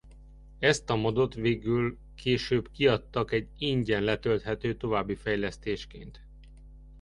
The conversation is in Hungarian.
Ezt a mod-ot végül később kiadtak egy ingyen letölthető további fejlesztésként.